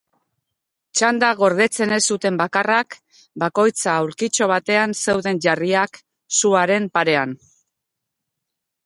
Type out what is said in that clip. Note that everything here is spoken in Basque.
Txanda gordetzen ez zuten bakarrak bakoitza aulkito batean zeuden jarriak, suaren parean.